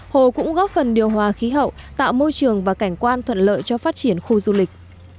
hồ cũng góp phần điều hòa khí hậu tạo môi trường và cảnh quan thuận lợi cho phát triển khu du lịch